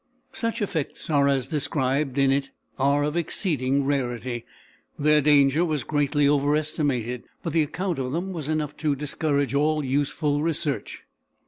Such effects as are described in it are of exceeding rarity; their danger was greatly over estimated; but the account of them was enough to discourage all useful research.